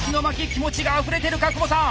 気持ちがあふれてるか久保さん！